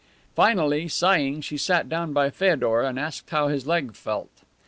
Finally, sighing, she sat down by Feodor and asked how his leg felt.